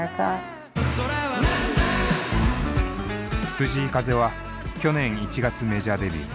藤井風は去年１月メジャーデビュー。